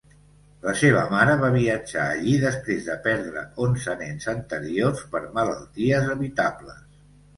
La seva mare va viatjar allí després de perdre onze nens anteriors per malalties evitables.